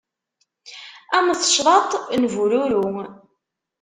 Am tecḍaḍt n bururu.